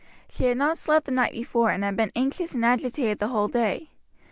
She had not slept the night before, and had been anxious and agitated the whole day.